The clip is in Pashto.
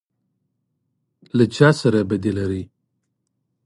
_ له چا سره بدي لری؟